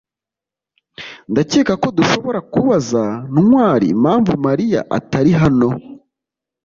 Ndakeka ko dushobora kubaza Ntwali impamvu Mariya atari hano